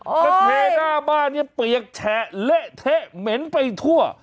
แล้วเทหน้าบ้านเนี่ยเปียกแฉะเละเทะเหม็นไปทั่ว